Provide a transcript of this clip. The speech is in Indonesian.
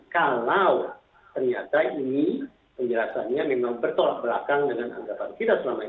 kalau ternyata ini penjelasannya memang bertolak belakang dengan anggapan kita selama ini